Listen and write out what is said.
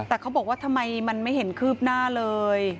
แต่เขาบอกว่าทำไมมันไม่เห็นคืบหน้าเลย